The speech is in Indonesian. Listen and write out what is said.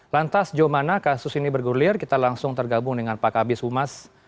lantas jomana kasus ini bergulir kita langsung tergabung dengan pak abis humas